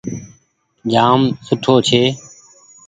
جآم سوٺو ڇي۔